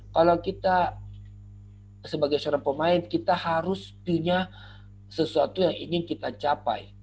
kalau kita sebagai seorang pemain kita harus punya sesuatu yang ingin kita capai